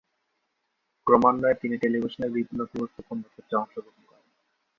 ক্রমান্বয়ে তিনি টেলিভিশনের বিভিন্ন গুরুত্বপূর্ণ ক্ষেত্রে অংশগ্রহণ করেন।